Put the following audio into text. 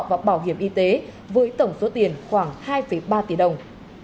và bảo hiểm y tế với tổng số tiền khoảng hai ba tỷ đồng